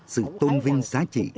sự tôn vinh giá trị